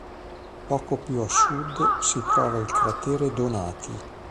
Poco più a sud si trova il cratere Donati.